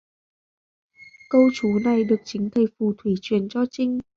Câu chú này được chính thầy phù thủy chuyền cho Trinh